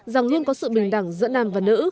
rằng luôn có sự bình đẳng giữa nam và nữ